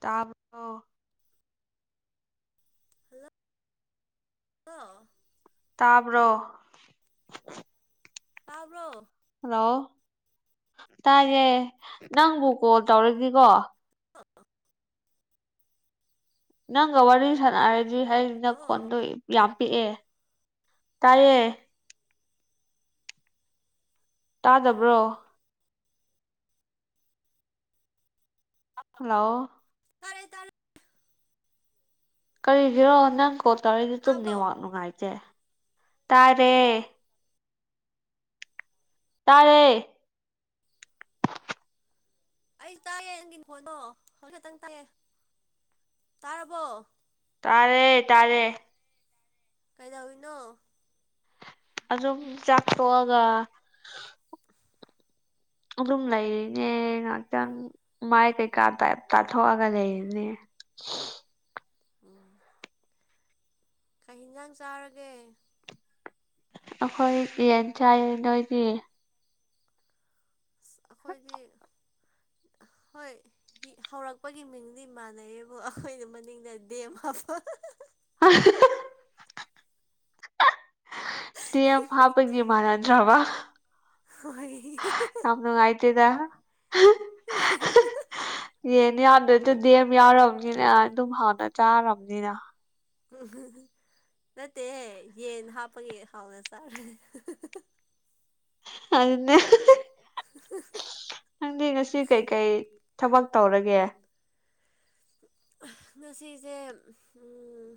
ꯇꯥ bro hello ꯂꯣ ꯇꯥꯕ꯭ꯔꯣ? ꯇꯥꯕ꯭ꯔꯣ ꯍꯜꯂꯣ ꯇꯥꯏꯌꯦ ꯅꯪꯕꯨ ꯀꯣꯜ ꯇꯧꯔꯒꯀꯣ [inaudible] [unintelligible] ꯅꯪꯒ ꯋꯥꯔꯤ ꯁꯥꯟꯅꯔꯗꯤ ꯍꯥꯢ ꯍꯜꯂꯣ ꯅꯈꯣꯟꯗꯣꯏ ꯌꯥꯝ ꯄꯤꯛꯑꯦ ꯇꯥꯏꯌꯦ ꯇꯥꯗꯕ꯭ꯔꯣ ꯍꯜꯂꯣ ꯇꯥꯔꯦ ꯇꯥꯔꯦ ꯀꯔꯤꯒꯤꯔꯣ ꯅꯪ ꯀꯣꯜ ꯇꯧꯔꯛꯏꯗꯤ ꯇꯨꯝ ꯇꯥꯕ꯭ꯔꯣ ꯅꯦꯠꯋꯥꯛ ꯅꯨꯡꯉꯥꯏꯇꯦ ꯇꯥꯔꯦ ꯇꯥꯔꯦ꯫ ꯑꯩ ꯇꯥꯏꯌꯦ ꯅꯪꯒꯤ ꯈꯣꯟꯗꯣ ꯍꯧꯖꯤꯛ ꯈꯛꯇꯪ ꯇꯥꯏꯌꯦ ꯇꯥꯔꯕꯣ ꯇꯥꯔꯦ ꯇꯥꯔꯦ ꯀꯩꯗꯧꯏꯅꯣ ꯑꯗꯨꯝ ꯆꯥꯛ ꯇꯣꯛꯑꯒ ꯑꯗꯨꯝ ꯂꯩꯔꯤꯅꯦ ꯉꯥꯛꯇꯪ ꯃꯥꯏ ꯀꯩꯀꯥ ꯇꯥꯏꯞ ꯇꯥꯊꯣꯛꯑꯒ ꯂꯩꯔꯤꯅꯦ꯫ ꯑ ꯀꯩ ꯍꯤꯟꯖꯥꯡ ꯆꯥꯔꯒꯦ? ꯑꯩꯈꯣꯏ ꯌꯦꯟ ꯆꯥꯏꯌꯦ ꯅꯣꯏꯗꯤ ꯑꯁ ꯑꯩꯈꯣꯏꯗꯤ ꯍꯣꯏ ꯍꯤ ꯍꯧꯔꯛꯄꯒꯤ ꯃꯤꯡꯗꯤ ꯃꯥꯟꯅꯩꯌꯦꯕꯨ ꯑꯩꯈꯣꯏꯅ ꯃꯅꯤꯡꯗ ꯗꯦꯝ ꯍꯥꯞꯄ [unintelligible] ꯗꯦꯝ ꯍꯥꯞꯄꯒꯤ ꯃꯥꯟꯅꯗ꯭ꯔꯥꯕ ꯍꯣꯏ ꯌꯥꯝ ꯅꯨꯡꯉꯥꯢꯇꯦꯗꯥ꯫ [unintelligible] ꯌꯦꯟ ꯌꯥꯎꯗ꯭ꯔꯥꯁꯨ ꯗꯦꯝ ꯌꯥꯎꯔꯝꯅꯤꯅ ꯑꯗꯨꯝ ꯍꯥꯎꯅ ꯆꯥꯔꯝꯅꯤꯅ ꯅꯠꯇꯦꯍꯦ ꯌꯦꯟ ꯍꯥꯞꯄꯒꯤ ꯍꯥꯎꯅ ꯆꯥꯔꯦ꯫ [unintelligible] [unintelligible] ꯅꯪꯗꯤ ꯉꯁꯤ ꯀꯩꯀꯩ ꯊꯕꯛ ꯇꯧꯔꯒꯦ ꯉꯁꯤꯁꯦ ꯎꯝ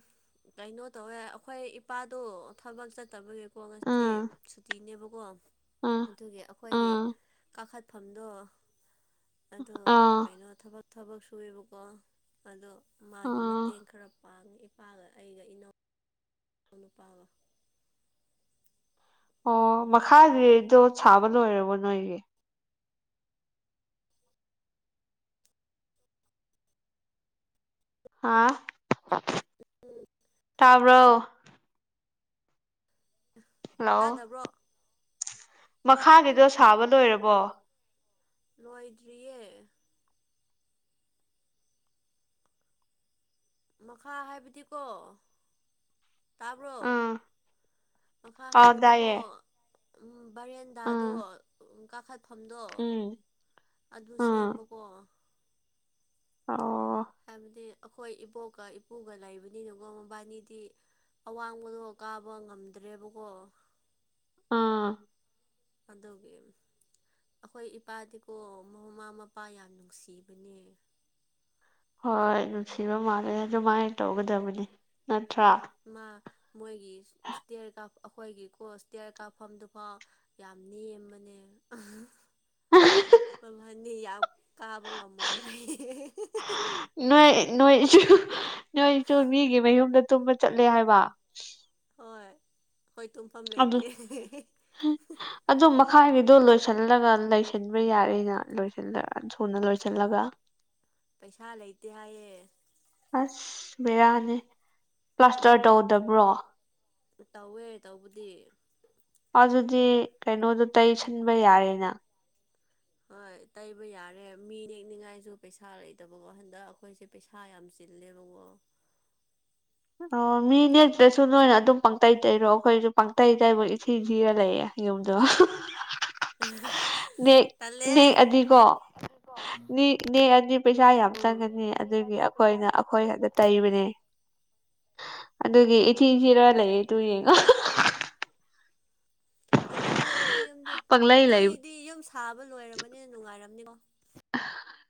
ꯀꯩꯅꯣ ꯇꯧꯋꯦ ꯑꯩꯈꯣꯏ ꯏꯄꯥꯗꯣ ꯊꯕꯛ ꯆꯠꯇꯕꯒꯤ ꯀꯣ ꯉꯁꯤ ꯎꯝ ꯁꯨꯇꯤꯅꯦꯕꯀꯣ ꯎꯝ ꯑꯗꯨꯒꯤ ꯑꯩꯈꯣꯏꯒꯤ ꯎꯝ ꯀꯥ ꯀꯥꯈꯠꯐꯝꯗꯣ ꯑꯗꯣ ꯑꯥ ꯀꯩꯅꯣ ꯊꯕꯛ ꯊꯕꯛ ꯁꯨꯏꯌꯦꯕꯀꯣ ꯑꯗꯣ ꯃꯥꯒꯤ ꯑꯥ ꯃꯇꯦꯡ ꯈꯔ ꯄꯥꯡꯉꯦ ꯏꯄꯥꯒ ꯑꯩꯒ ꯏꯅꯧ ꯅꯨꯄꯥꯕ ꯑꯣ ꯃꯈꯥꯒꯤꯗꯣ ꯁꯥꯕ ꯂꯣꯏꯔꯕꯣ ꯅꯣꯏꯒꯤ ꯍꯥꯥ ꯇꯥꯕ꯭ꯔꯣ ꯍꯜꯂꯣ ꯇꯥꯗꯕ꯭ꯔꯣ ꯃꯈꯥꯒꯤꯗꯣ ꯁꯥꯕ ꯂꯣꯏꯔꯕꯣ ꯂꯣꯏꯗ꯭ꯔꯤꯌꯦ ꯃꯈꯥ ꯍꯥꯏꯕꯗꯤꯀꯣ ꯇꯥꯕ꯭ꯔꯣ ꯎꯝ ꯃꯈꯥ ꯑꯥꯎ ꯍꯥꯏꯕꯗꯤꯀꯣ ꯇꯥꯏꯌꯦ ꯎꯝ ꯕꯥꯔꯦꯟꯗꯥꯗꯣ ꯎꯝ ꯎꯝ ꯀꯥꯈꯠ ꯐꯝꯗꯣ ꯎꯝ ꯑꯗꯨ ꯎꯝ ꯁꯦꯝꯕꯀꯣ ꯑꯣ ꯍꯥꯏꯕꯗꯤ ꯑꯩꯈꯣꯏ ꯏ ꯄꯣꯛꯀ ꯏꯄꯨꯒ ꯂꯩꯕꯅꯤꯅꯀꯣ ꯃꯕꯥꯅꯤꯗꯤ ꯑꯋꯥꯡꯕꯗꯣ ꯀꯥꯕ ꯉꯝꯗ꯭ꯔꯦꯕꯀꯣ ꯑ ꯑꯗꯨꯒꯤ ꯑꯩꯈꯣꯏ ꯏꯄꯥꯗꯤꯀꯣ ꯃꯃꯥ ꯃꯄꯥ ꯌꯥꯝ ꯅꯨꯡꯁꯤꯕꯅꯦ ꯍꯣꯏ ꯅꯨꯡꯁꯤꯕ ꯃꯥꯜꯂꯦ ꯑꯗꯨꯃꯥꯏ ꯇꯧꯒꯗꯕꯅꯤ ꯅꯠꯇ꯭ꯔꯥ ꯃꯥ ꯃꯣꯏꯒꯤ ꯏꯁꯇꯦꯌꯔ ꯀꯥ ꯑꯩꯈꯣꯏꯒꯤ ꯀꯣ ꯏꯁꯇꯦꯌꯔ ꯀꯥꯞꯐꯝꯗꯨꯐꯥꯎ ꯌꯥꯝ ꯅꯦꯝꯕꯅꯦ [inaudible] ꯅꯤ ꯌꯥꯝ ꯀꯥꯕ ꯉꯝꯃꯣꯏ ꯍꯥꯏꯌꯦ ꯅꯣꯏ ꯅꯣꯏꯁꯨ ꯅꯣꯏꯁꯨ ꯃꯤꯒꯤ ꯃꯌꯨꯝꯗ ꯇꯨꯝꯕ ꯆꯠꯂꯦ ꯍꯥꯏꯕ ꯍꯣꯏ ꯑꯩꯈꯣꯏ ꯇꯨꯝꯐꯝ ꯑꯗꯨ ꯂꯩꯇꯦ ꯑꯗꯨ ꯃꯈꯥꯒꯤꯗꯣ ꯂꯣꯏꯁꯤꯜꯂꯒ ꯂꯩꯁꯤꯟꯕ ꯌꯥꯔꯦꯅ ꯂꯣꯏꯁꯤꯜꯂ ꯊꯨꯅ ꯂꯣꯏꯁꯤꯜꯂꯒ [inaudible] ꯄꯩꯁꯥ ꯂꯩꯇꯦ ꯍꯥꯏꯌꯦ ꯑꯁ ꯕꯦꯔꯥꯅꯤ ꯄ꯭ꯂꯥꯁꯇꯔ ꯇꯧꯗꯕ꯭ꯔꯣ ꯇꯧꯋꯦ ꯇꯧꯕꯗꯤ ꯑꯗꯨꯗꯤ ꯀꯩꯅꯣꯗ ꯇꯩꯁꯟꯕ ꯌꯥꯔꯦꯅ ꯍꯣꯏ ꯇꯩꯕ ꯌꯥꯔꯦ ꯃꯤ ꯅꯦꯛꯅꯤꯉꯥꯏꯁꯨ ꯄꯩꯁꯥ ꯂꯩꯇꯕꯀꯣ ꯍꯟꯗꯛ ꯑꯩꯈꯣꯏꯁꯦ ꯄꯩꯁꯥ ꯌꯥꯝ ꯆꯤꯜꯂꯦꯕꯀꯣ ꯑꯣ ꯃꯤ ꯅꯦꯛꯇ꯭ꯔꯁꯨ ꯅꯣꯏꯅ ꯑꯗꯨꯝ ꯄꯪꯇꯩꯩ ꯇꯩꯔꯣ ꯑꯩꯈꯣꯏꯁꯨ ꯄꯪꯇꯩ ꯇꯩꯕꯒꯤ ꯏꯊꯤ ꯊꯤꯔ ꯂꯩꯌꯦ ꯌꯨꯝꯗꯣ [unintelligible] ꯃꯤ ꯇꯜꯂꯦ ꯅꯦꯛꯑꯗꯤꯀꯣ ꯃꯤ ꯅꯦꯛꯑꯗꯤ ꯄꯩꯁꯥ ꯌꯥꯝ ꯆꯪꯒꯅꯤ ꯑꯗꯨꯒꯤ ꯑꯩꯈꯣꯏꯅ ꯑꯩꯈꯣꯏ ꯈꯥꯇ ꯇꯩꯕꯅꯦ ꯑꯗꯨꯒꯤ ꯏꯊꯤ ꯊꯤꯔ ꯂꯩꯌꯦ ꯇꯨ ꯌꯦꯉꯣ ꯐꯖꯩꯍꯦ ꯅꯣꯏ ꯌꯨꯝꯗꯤ ꯄꯪꯂꯩ ꯂꯩꯕ ꯅꯣꯏꯗꯤ ꯌꯨꯝ ꯁꯥꯕ ꯂꯣꯏꯔꯕꯅꯤꯅ ꯅꯨꯡꯉꯥꯏꯔꯝꯅꯤꯀꯣ ꯍ [unintelligible] [inaudible]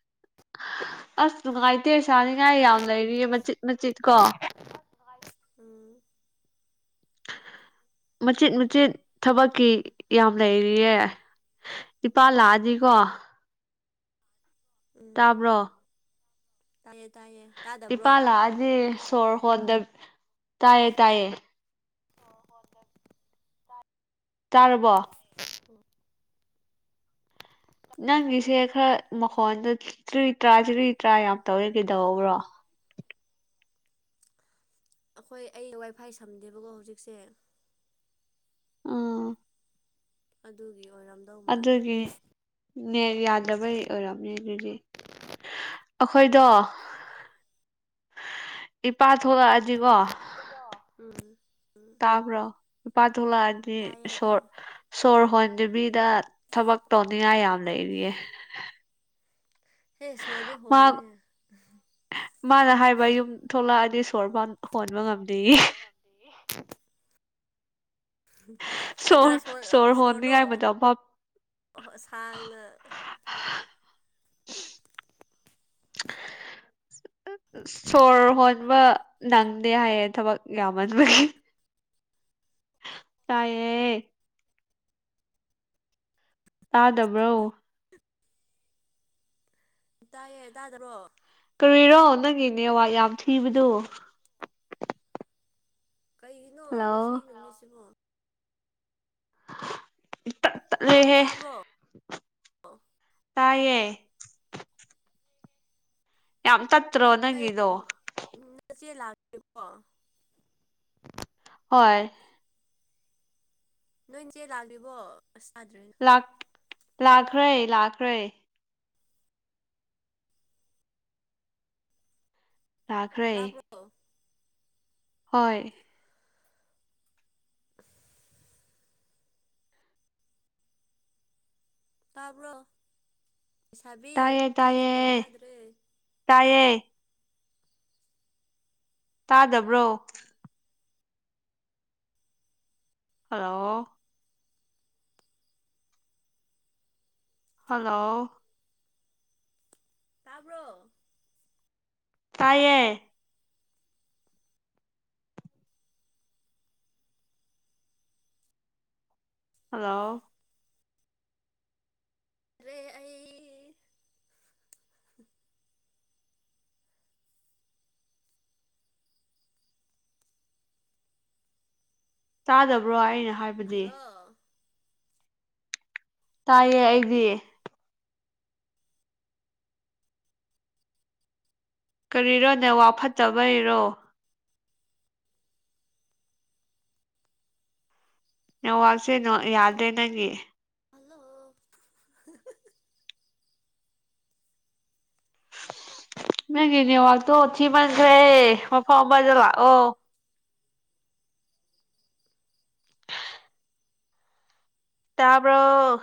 ꯑꯁ ꯅꯨꯡꯉꯥꯏꯇꯦ ꯁꯥꯅꯤꯡꯉꯥꯏ ꯌꯥꯝ ꯂꯩꯔꯤꯌꯦ ꯃꯆꯤꯠ ꯃꯆꯤꯠ ꯀꯣ ꯎꯝ [unintelligible] [inaudible] ꯃꯆꯤꯠ ꯃꯆꯤꯠ ꯊꯕꯛꯀꯤ ꯌꯥꯝ ꯂꯩꯔꯤꯌꯦ ꯏꯄꯥ ꯂꯥꯛꯑꯗꯤꯀꯣ ꯎꯝ ꯇꯥꯕ꯭ꯔꯣ ꯇꯥꯏꯌꯦ ꯇꯥꯏꯌꯦ ꯇꯥꯗꯕ꯭ꯔꯣ ꯏꯄꯥ ꯂꯥꯛꯑꯗꯤ ꯁꯣꯔ ꯍꯣꯟꯗ ꯇꯥꯏꯌꯦ ꯇꯥꯏꯌꯦ ꯍꯣ ꯍꯣꯖꯠ [unintelligible] [inaudible] ꯇꯥꯔꯕꯣ ꯑꯣ [unintelligible] [inaudible] ꯅꯪꯒꯤꯁꯦ ꯈꯔ ꯃꯈꯣꯟꯗꯥ ꯇ꯭ꯔꯤ ꯇ꯭ꯔꯥ ꯇ꯭ꯔꯤ ꯇ꯭ꯔꯥ ꯌꯥꯝ ꯇꯧꯔꯦ ꯀꯩꯗꯧꯕ꯭ꯔꯣ ꯑꯩꯈꯣꯏ ꯑꯩ ꯋꯥꯏꯐꯥꯏ ꯁꯝꯗꯦꯕꯀꯣ ꯍꯧꯖꯤꯛꯁꯦ ꯑꯥ [unintelligible] [inaudible] ꯑꯗꯨꯒꯤ ꯑꯣꯏꯔꯝ ꯑꯗꯨꯒꯤ ꯅꯦꯠ ꯌꯥꯗꯕꯩ ꯑꯣꯏꯔꯝꯅꯤ ꯑꯗꯨꯗꯤ ꯑꯈꯣꯏꯗꯣ ꯏꯄꯥ ꯊꯣꯛꯂꯛꯑꯗꯤꯀꯣ ꯗꯣ ꯎꯝ [unintelligible] [inaudible] ꯇꯥꯕ꯭ꯔꯣ ꯄꯥ ꯊꯣꯛꯂꯛꯑꯗꯤ ꯇꯥꯏꯌꯦ ꯁꯣꯔ ꯇꯥꯏꯌꯦ ꯁꯣꯔ ꯍꯣꯟꯗꯕꯤꯗ ꯊꯕꯛ ꯇꯧꯅꯤꯡꯉꯥꯏ ꯌꯥꯝ ꯂꯩꯔꯤꯌꯦ ꯍꯦ ꯁꯣꯔꯗꯤ ꯍꯣꯜ ꯃꯥ ꯂꯨꯍꯦ ꯃꯥꯅ ꯍꯥꯏꯕ ꯌꯨꯝ ꯊꯣꯛꯂꯛꯑꯗꯤ ꯁꯣꯔꯕꯥꯟ [unintelligible] ꯍꯣꯟꯕ ꯉꯝꯗꯤ [unintelligible] [inaudible] ꯈꯔ ꯈꯔ ꯁꯣꯔ ꯁꯣꯔꯗꯣ ꯍꯣꯟꯅꯤꯡꯉꯥꯏ [unintelligible] [inaudible] ꯃꯇꯝ ꯐꯥꯎ ꯁꯥꯡꯅ [unintelligible] [inaudible] ꯁꯣꯔ ꯍꯣꯟꯕ ꯅꯪꯗꯦ ꯍꯥꯏꯌꯦ ꯊꯕꯛ ꯌꯥꯝꯃꯟꯕꯒꯤ ꯇꯥꯌꯦ ꯇꯥꯗꯕ꯭ꯔꯣ ꯇꯥꯏꯌꯦ ꯇꯥꯗꯔꯣ ꯀꯔꯤꯔꯣ ꯅꯪꯒꯤ ꯅꯦꯋꯥꯛ ꯌꯥꯝ ꯊꯤꯕꯗꯨ ꯀꯩꯒꯤꯅꯣ ꯉꯁꯤ ꯍꯜꯂꯣ ꯅꯨꯃꯤꯠꯁꯤꯕꯣ ꯇꯠ ꯇꯠꯂꯦꯍꯦ ꯇꯥꯕ꯭ꯔꯣ ꯇꯥꯢꯌꯦ ꯌꯥꯝ ꯇꯠꯇ꯭ꯔꯣ ꯅꯪꯒꯤꯗꯣ ꯎꯝ ꯅꯆꯦ ꯂꯥꯛꯇ꯭ꯔꯤꯕꯣ ꯍꯣꯏ ꯅꯣꯏꯆꯦ ꯂꯥꯛꯇ꯭ꯔꯤꯕꯣ ꯑꯁ ꯇꯥꯗ꯭ꯔꯦꯅꯦ ꯂꯥꯛ ꯂꯥꯛꯈ꯭ꯔꯦ ꯂꯥꯛꯈ꯭ꯔꯦ ꯂꯥꯛꯈ꯭ꯔꯦ ꯇꯥꯕ꯭ꯔꯣ ꯍꯣꯏ [inaudible] ꯇꯥꯕ꯭ꯔꯣ ꯂꯩꯁꯥꯕꯤ ꯑꯩ ꯅꯈꯣꯟ ꯇꯥꯗ꯭ꯔꯦ ꯇꯥꯢꯌꯦ ꯇꯥꯗꯕ꯭ꯔꯣ ꯍꯜꯂꯣ ꯍꯜꯂꯣ ꯇꯥꯕ꯭ꯔꯣ? ꯇꯥꯌꯦ ꯍꯜꯂꯣ [unintelligible] ꯑꯩ ꯇꯥꯗꯕ꯭ꯔꯣ ꯑꯩꯅ ꯍꯥꯏꯕꯗꯤ ꯍꯜꯂꯣ ꯇꯥꯏꯌꯦ ꯑꯩꯗꯤ ꯀꯔꯤꯔ ꯅꯦꯠꯋꯥꯛ ꯐꯠꯇꯕꯩꯔꯣ? ꯅꯦꯠꯋꯥꯛꯁꯦ ꯍꯜꯂꯣ ꯌꯥꯗ꯭ꯔꯦ ꯅꯪꯒꯤ ꯍꯜꯂꯣ ꯅꯪꯒꯤ ꯅꯦꯋꯥꯥꯛꯇꯣ ꯊꯤ ꯃꯟꯈ꯭ꯔꯦ ꯃꯐꯝ ꯑꯃꯗ ꯂꯥꯛꯑꯣ ꯇꯥꯕ꯭ꯔꫭ?